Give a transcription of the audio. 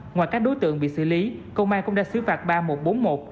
ngoài các đối tượng bị xử lý công an cũng đã xử phạt bar một trăm bốn mươi một